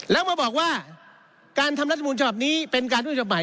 แล้วมาบอกว่าการทำรัฐมูลฉบับนี้เป็นการด้วยฉบับใหม่